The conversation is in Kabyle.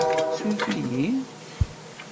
Surf-iyi?